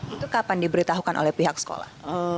itu kapan diberitahukan oleh pihak sekolah